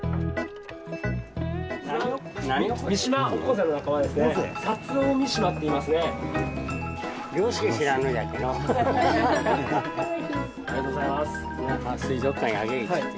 ありがとうございます。